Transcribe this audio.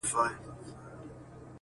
پاڼې پاڼې يو ګلاب زه تمثيل د زنکدن